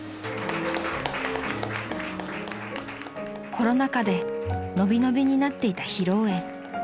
［コロナ禍で延び延びになっていた披露宴］